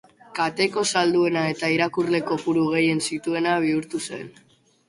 Kateko salduena eta irakurle kopuru gehien zituena bihurtu zen.